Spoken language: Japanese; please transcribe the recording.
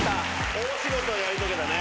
大仕事やり遂げたね。